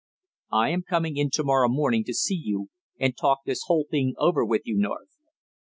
"I am coming in to morrow morning to see you, and talk the whole thing over with you, North."